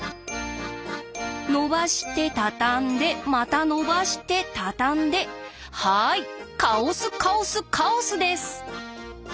のばして畳んでまたのばして畳んではいカオスカオスカオスです！